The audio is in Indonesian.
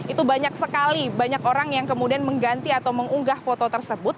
itu banyak sekali banyak orang yang kemudian mengganti atau mengunggah foto tersebut